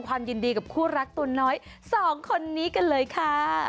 ความยินดีกับคู่รักตัวน้อยสองคนนี้กันเลยค่ะ